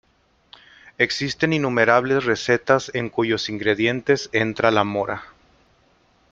Existen innumerables recetas en cuyos ingredientes entra la mora.